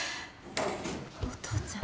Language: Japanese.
お父ちゃん。